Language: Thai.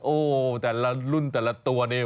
โอ้โหรุ่นแต่ละตัวเนี่ย